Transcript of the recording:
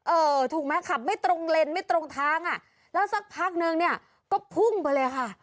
เออถูกไหมขับไม่ตรงเลนไม่ตรงทางอ่ะแล้วสักพักนึงเนี่ยก็พุ่งไปเลยค่ะ